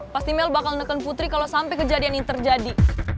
pasti mel bakal menekan putri kalau sampai kejadian ini terjadi